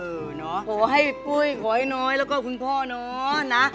หู้ยภูชาให้ปุ๊ยระวังให้น้อยแล้วก็คุณพ่อนะ